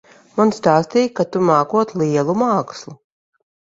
Man stāstīja, ka tu mākot lielu mākslu.